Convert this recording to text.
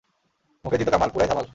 মুকেশ জি তো কামাল, - পুড়াই ধামাল।